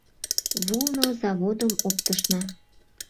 Вулно заводым оптышна.